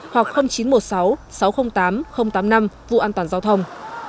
hoặc chín trăm một mươi sáu sáu trăm linh tám tám mươi năm vụ an toàn giao thông